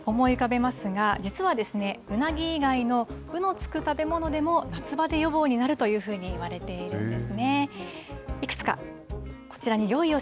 うなぎを思い浮かべますが、実は、うなぎ以外のうのつく食べ物でも夏バテ予防になるというふうにいわれているんですね。